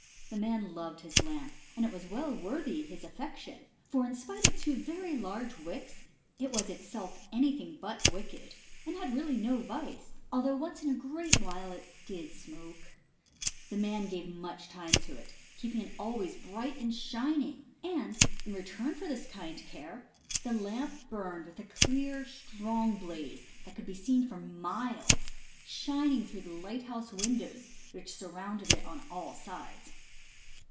The man loved his Lamp, and it was well worthy his affection, for in spite of two \'er\ large wicks, it was itself anything but wicked, and had really no vice, although once in a great while, it 134 The Light House Lamp. did smoke. The man gave much time to it, keep ing it always bright and shining, and in return for this kind care, the Lamp burned with a clear, strong blaze that could be seen for miles, shining The Light House Lamp. i JD through the light house windows, which sur rounded it on all sides.